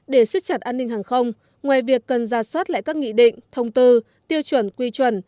để siết chặt an ninh hàng không ngoài việc cần ra soát lại các nghị định thông tư tiêu chuẩn quy chuẩn